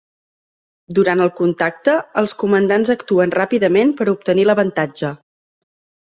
Durant el contacte, els comandants actuen ràpidament per a obtenir l'avantatge.